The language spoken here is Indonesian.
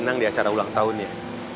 dan senang di acara ulang tahunnya